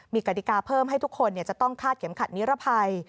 มีกฎิกาเพิ่มให้ทุกคนจะต้องคาดเข็มขัดนิรภัย